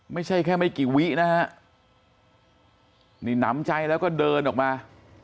ไม่ใช่แค่ไม่กี่วินะฮะนี่หนำใจแล้วก็เดินออกมา